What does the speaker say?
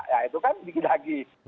ya itu kan diki lagi